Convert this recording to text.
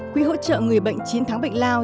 quỹ hỗ trợ người bệnh chín tháng bệnh lao